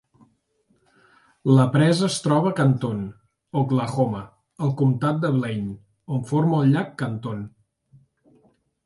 La presa es troba a Canton, Oklahoma, al comtat de Blaine, on forma el Llac Canton.